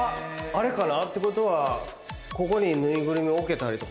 あれかな？ってことはここにぬいぐるみを置けたり。